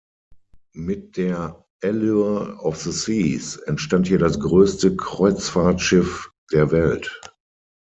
Mit der "Allure of the Seas" entstand hier das größte Kreuzfahrtschiff der Welt.